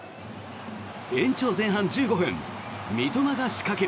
延長前半１５分三笘が仕掛ける。